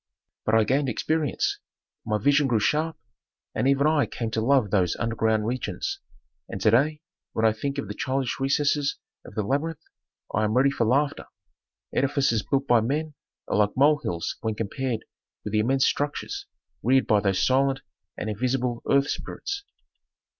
"But I gained experience. My vision grew sharp and I even came to love those underground regions. And to day when I think of the childish recesses of the labyrinth I am ready for laughter. Edifices built by men are like mole hills when compared with the immense structures reared by those silent and invisible earth spirits.